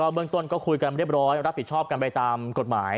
เบื้องต้นก็คุยกันเรียบร้อยรับผิดชอบกันไปตามกฎหมาย